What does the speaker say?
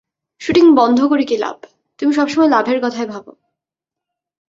শুটিংয় বন্ধ করে কি লাভ, তুমি সবসময় লাভের কথাই ভাবো।